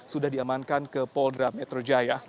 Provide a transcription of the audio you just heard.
sudah diamankan ke pol demeto jaya